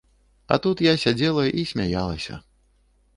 А тут я сядзела і смяялася.